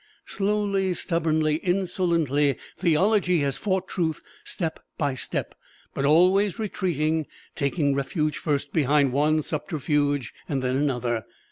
Slowly, stubbornly, insolently, theology has fought Truth step by step but always retreating, taking refuge first behind one subterfuge, then another.